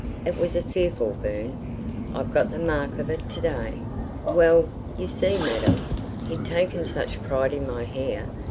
It was a fearful burn. I've got the mark of it to day. ... Well, you see, madam, he'd taken such pride in my hair.